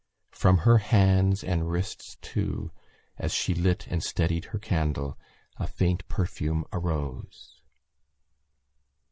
From her hands and wrists too as she lit and steadied her candle a faint perfume arose.